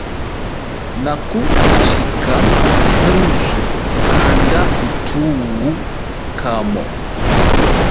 Nakuhichika muzu kanda uthuhu kamo.